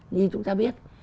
như chúng ta biết